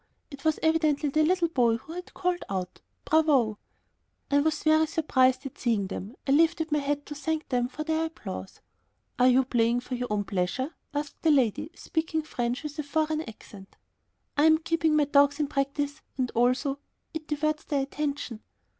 It was evidently the little boy who had called out "Bravo!" I was very surprised at seeing them. I lifted my hat to thank them for their applause. "Are you playing for your own pleasure?" asked the lady, speaking French with a foreign accent. "I am keeping the dogs in practice and also ... it diverts their attention."